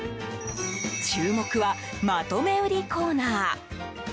注目は、まとめ売りコーナー。